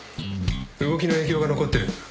動きの影響が残ってる。